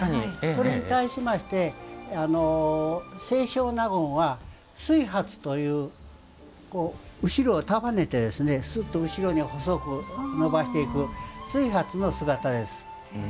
それに対しまして清少納言は垂髪という後ろに束ねてすっと後ろに細く伸ばしていく垂髪の姿です。